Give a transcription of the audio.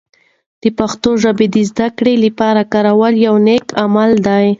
د پښتو ژبه د زده کړې لپاره کارول یوه نیک عمل دی.